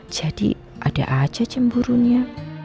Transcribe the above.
jadi ada aja cemburunya